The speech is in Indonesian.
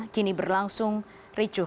kini berlangsung ricuh